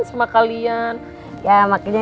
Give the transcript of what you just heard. sama kalian ya makanya